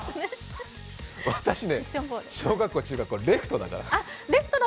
私ね、小学校、中学校レフトだから。